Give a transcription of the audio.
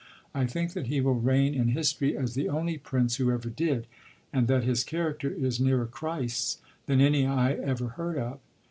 I think that he will reign in history as the only prince who ever did, and that his character is nearer Christ's than any I ever heard of."